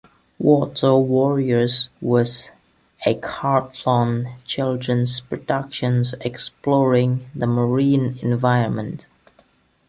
"Water Warriors" was a Carlton children's production exploring the marine environment.